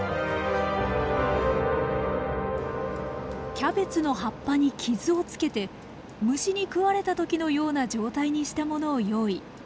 キャベツの葉っぱに傷をつけて虫に食われた時のような状態にしたものを用意。